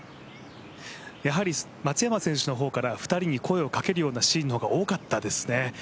やはり松山選手の方から２人に声をかけるようなシーンの方が多かったですね。